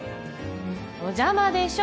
お邪魔でしょ。